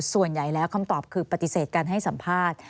ส่วนใหญ่แล้วคำตอบคือปฏิเสธการให้สัมภาษณ์